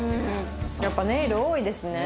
やっぱネイル多いですね。